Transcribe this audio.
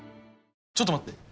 ちょっと待って！